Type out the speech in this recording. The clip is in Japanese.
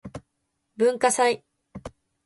文化祭